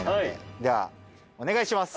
ではお願いします。